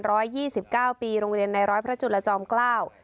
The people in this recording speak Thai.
ยี่สิบเก้าปีโรงเรียนในร้อยพระจุลจอมเกล้า